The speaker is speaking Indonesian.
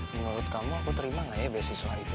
menurut kamu aku terima gak ya beasiswa itu